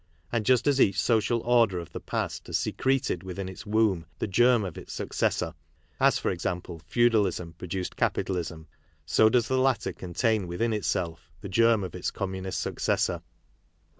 And just as each social order of the past has secreted within its womb the germ of its successor, as for example, feudalism produced capitalism, so does the latter contain within ^Itself the germ of its communist successor.